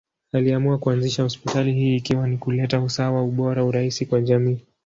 Aliamua kuanzisha hospitali hii ikiwa ni kuleta usawa, ubora, urahisi kwa jamii.